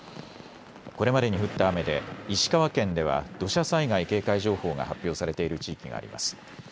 これまでに降った雨で石川県では土砂災害警戒情報が発表されている地域があります。